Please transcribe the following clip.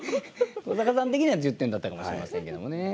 古坂さん的には１０点だったかもしれませんけどもね。